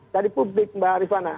dari publik mbak rifana